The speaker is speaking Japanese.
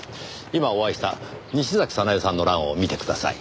今お会いした西崎早苗さんの欄を見てください。